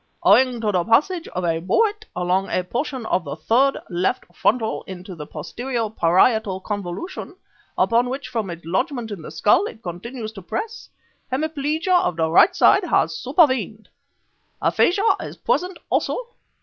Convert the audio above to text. Owing to the passage of a bullet along a portion of the third left frontal into the postero parietal convolution upon which, from its lodgment in the skull, it continues to press hemiplegia of the right side has supervened. Aphasia is present also...."